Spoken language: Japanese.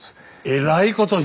えらいことに。